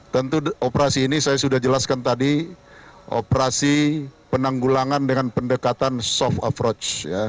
tentu operasi ini saya sudah jelaskan tadi operasi penanggulangan dengan pendekatan soft approach